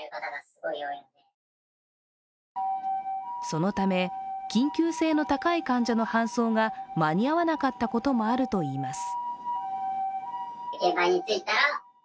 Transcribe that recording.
そのため、緊急性の高い患者の搬送が間に合わなかったこともあるといいます。